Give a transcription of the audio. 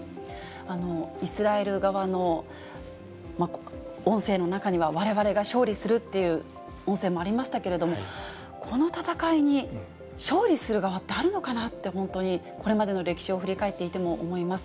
イスラエル側の音声の中には、われわれが勝利するという音声もありましたけれども、この戦いに勝利する側ってあるのかなって、本当にこれまでの歴史を振り返っていても思います。